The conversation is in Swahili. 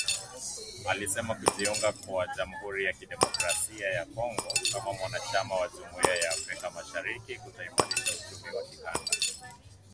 Alisema kujiunga kwa Jamuhuri ya Kidemokrasia ya Kongo kama mwanachama wa Jumuiya ya Afrika Mashariki kutaimarisha uchumi wa kikanda